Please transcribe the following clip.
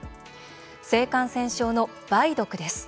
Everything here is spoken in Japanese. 性感染症の梅毒です。